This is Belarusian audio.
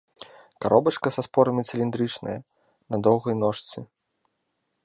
Каробачка са спорамі цыліндрычная, на доўгай ножцы.